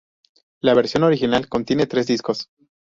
La versión original contiene tres discos.